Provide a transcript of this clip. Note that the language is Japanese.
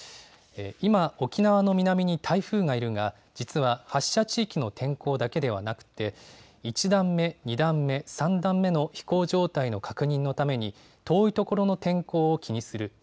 今、沖縄の南に台風がいるが、実は発射地域の天候だけではなくて、１段目、２段目、３段目の飛行状態の確認のために、遠い所の天候を気にする。